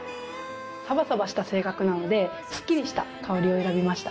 サバサバした性格なのですっきりした香りを選びました。